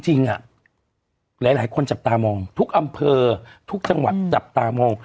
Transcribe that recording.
จริงหลายคนจับตามองทุกอำเภอทุกจังหวัดจับตามอง